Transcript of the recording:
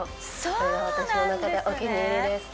これが私の中でお気に入りです